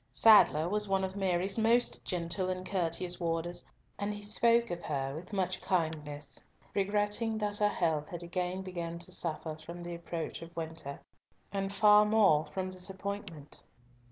Sadler was one of Mary's most gentle and courteous warders, and he spoke of her with much kindness, regretting that her health had again begun to suffer from the approach of winter, and far more from disappointment.